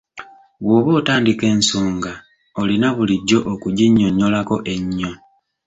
Bw'oba otandika ensonga olina bulijjo okuginnyonnyolako ennyo.